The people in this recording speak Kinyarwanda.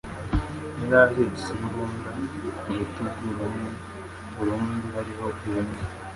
yari ahetse imbuda ku rutugu rumwe urundi hariho ihene